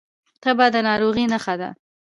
تبه د ناروغۍ نښه ده